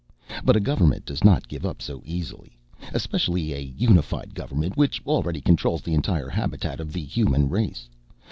But a government does not give up so easily, especially a unified government which already controls the entire habitat of the human race.